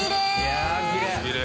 譴きれい。